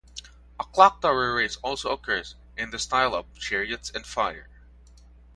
A clocktower race also occurs, in the style of "Chariots of Fire".